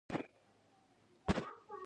ځینې به بلوغ ته رسېدل او په تکثر یې پیل وکړ.